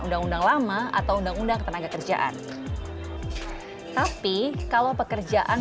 undang undang lama atau undang undang ketenaga kerjaan tapi kalau pekerjaan